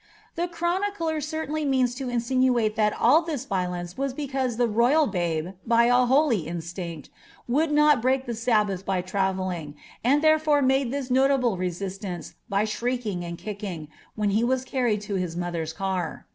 The chronicler certainly inean« to insinuate that all (his violence wu becsuM llio roytii babe, by a Jioly iitstincti would not hreak ihe Sabbub by tmvelling, and therefore made this notable resistance, by shrifkio; Bnd kicking, when he was carried to his mother's car.